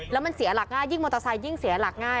แล้วมันเสียหลักง่ายยิ่งมอเตอร์ไซคยิ่งเสียหลักง่าย